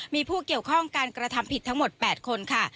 มีผู้เกี่ยวข้องการกระทำผิดทั้งหมด๘คนค่ะ